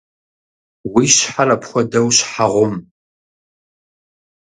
Уи щхьэр апхуэдэу щхьэ гъум?